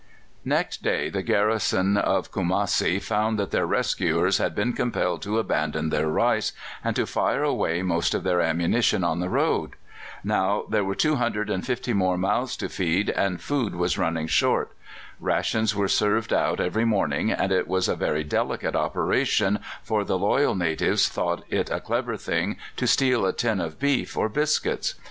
Next day the garrison of Kumassi found that their rescuers had been compelled to abandon their rice, and to fire away most of their ammunition on the road. Now there were 250 more mouths to feed, and food was running short. Rations were served out every morning, and it was a very delicate operation, for the loyal natives thought it a clever thing to steal a tin of beef or biscuits.